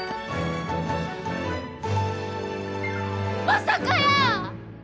まさかやー！